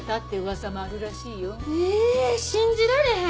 信じられへん！